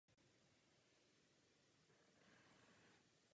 Francouzka dokázala uhrát jen dva gamy.